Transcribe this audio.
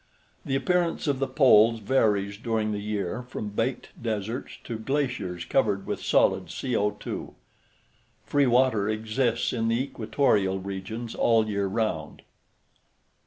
The appearance of the poles varies during the year from baked deserts to glaciers covered with solid CO_. Free water exists in the equatorial regions all year round.